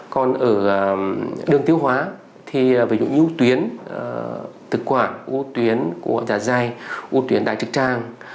còn ở đường tiêu hóa thì ví dụ như u tuyến thực quản u tuyến của giá dài u tuyến đại trực trang